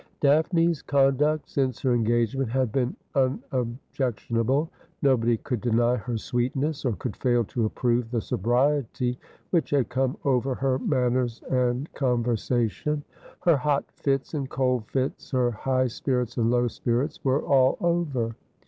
Daphne's conduct since her engagement had been unobjec tionable. Nobody could deny her sweetness, or could fail to approve the sobriety which had corae over her manners and conversation. Her hot fits and cold fits, her high spirits and low spirits, were all over.